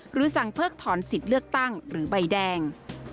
หรือสั่งเพิกถอนสิทธิ์เลือกตั้งหรือใบแดง